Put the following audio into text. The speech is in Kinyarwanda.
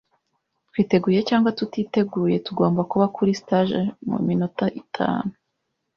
Twiteguye cyangwa tutiteguye, tugomba kuba kuri stage muminota itanu.